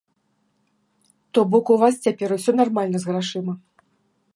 То бок, у вас цяпер усё нармальна з грашыма!